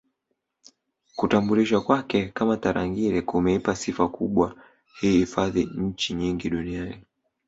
Kutambulishwa kwake kama Tarangire kumeipa sifa kubwa hii hifadhi nchi nyingi Duniani